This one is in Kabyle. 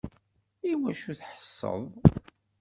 Iwacu i s-tḥesseḍ?